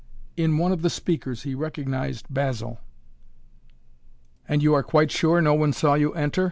In one of the speakers he recognized Basil. "And you are quite sure no one saw you enter?"